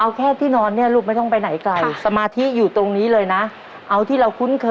เอาแค่ที่นอนเนี่ยรูปไม่ต้องไปไหนไกล